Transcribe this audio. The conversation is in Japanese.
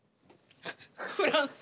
フランス。